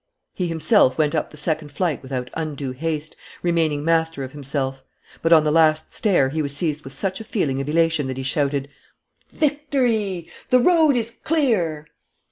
He himself went up the second flight without undue haste, remaining master of himself. But, on the last stair, he was seized with such a feeling of elation that he shouted: "Victory! The road is clear!"